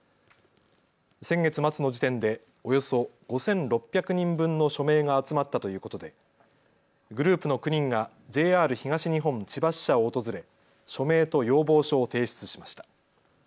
先月末の時点でおよそ５６００人分の署名が集まったということでグループの９人がＪＲ東日本千葉支社を訪れ署名と要望書を提出しました。